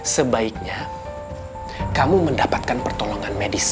sebaiknya kamu mendapatkan pertolongan medis